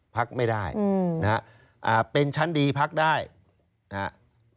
พักไม่ได้นะครับเป็นชั้นดีพักได้นะครับ